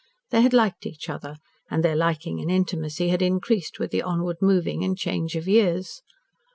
They had liked each other, and their liking and intimacy had increased with the onward moving and change of years.